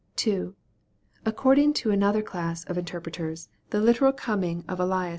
2. According to another class of interpreters, a literal coming of MARK, CHAP.